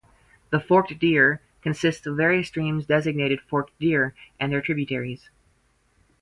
The Forked Deer consists of various streams designated "Forked Deer" and their tributaries.